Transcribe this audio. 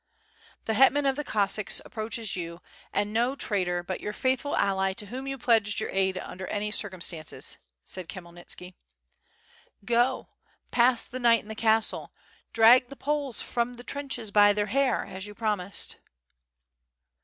"The hetman of the Coesacks approaches you, and no traitor, but your faithful ally to whom you pledged your aid under any circumstances," said Khmyelnitski. "Go, pass the night in the castle, drag the Poles from the trenches by their hair as you promised."